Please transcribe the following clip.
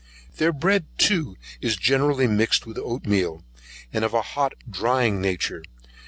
Their bread too is generally mixed with oatmeal, and of a hot drying nature.